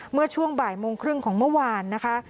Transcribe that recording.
เมื่อช่วงบ่ายโมงครึ่งของเมื่อวานนะคะ